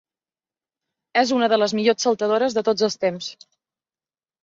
És una de les millors saltadores de tots els temps.